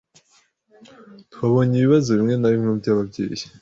Twabonye ibibazo bimwe na bimwe byababyeyi.